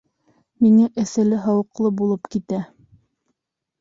Миңә эҫеле-һыуыҡлы булып китә